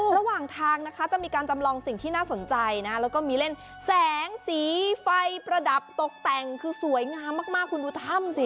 ระหว่างทางนะคะจะมีการจำลองสิ่งที่น่าสนใจนะแล้วก็มีเล่นแสงสีไฟประดับตกแต่งคือสวยงามมากคุณดูถ้ำสิ